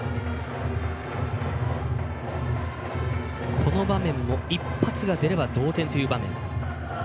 この場面も１発が出れば同点という場面。